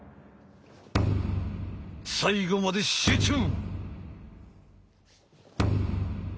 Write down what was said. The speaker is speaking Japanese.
最後まで集中！